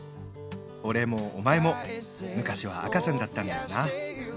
俺もお前も昔は赤ちゃんだったんだよな。